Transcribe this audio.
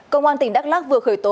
công an tỉnh đắk lắc vừa khởi tố